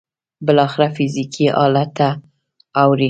بالاخره فزيکي حالت ته اوړي.